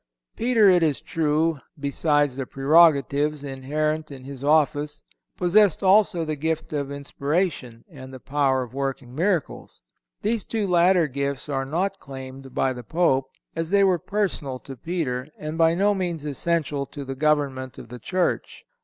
Peter, it is true, besides the prerogatives inherent in his office, possessed also the gift of inspiration and the power of working miracles. These two latter gifts are not claimed by the Pope, as they were personal to Peter and by no means essential to the government of the Church.